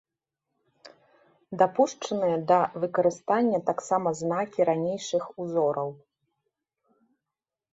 Дапушчаныя да выкарыстання таксама знакі ранейшых узораў.